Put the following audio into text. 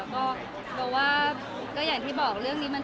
เอาเป็นว่าประเด็นนี้ไม่ได้คุยกันเลยดีกว่าค่ะ